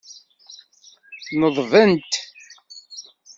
Neḍbent.